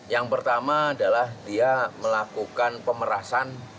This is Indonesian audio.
yang pertama adalah dia melakukan pemerasan